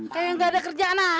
kayak gak ada kerjaan aja